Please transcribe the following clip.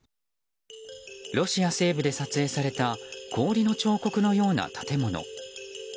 ロシア西部で撮影された氷の彫刻のような建物。